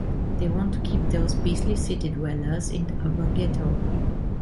They want to keep those beastly city-dwellers in the urban ghetto.